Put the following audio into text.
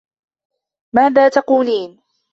ماذا تقولين؟